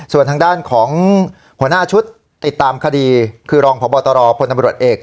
ส่วนทางด้านของหัวหน้าชุดติดตามคดีคือรองพบตรพลตำรวจเอก